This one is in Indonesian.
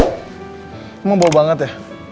kamu mau bawa banget ya